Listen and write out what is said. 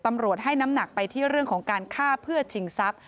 ตำรวจให้น้ำหนักไปที่เรื่องของการฆ่าเพื่อชิงทรัพย